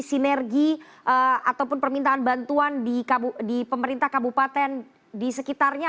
sinergi ataupun permintaan bantuan di pemerintah kabupaten di sekitarnya